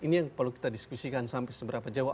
ini yang perlu kita diskusikan sampai seberapa jauh